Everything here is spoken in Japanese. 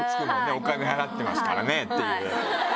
お金払ってますからねっていう。